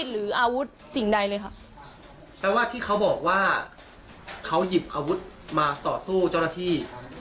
แต่ว่าที่เขาบอกว่าเขาหยิบอาวุธมาต่อสู้เจ้าหน้าที่